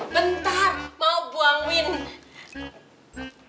bentar mau buang wind